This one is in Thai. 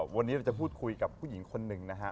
วันนี้เราจะพูดคุยกับผู้หญิงคนหนึ่งนะฮะ